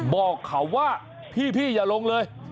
บอกเขาว่าพี่อย่าลงเลย